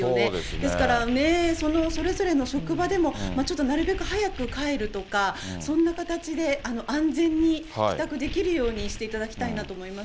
ですからそれぞれの職場でも、ちょっとなるべく早く帰るとか、そんな形で安全に帰宅できるようにしていただきたいなと思います。